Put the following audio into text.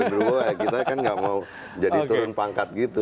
kalau dibalas sama sontoloyo kita kan nggak mau jadi turun pangkat gitu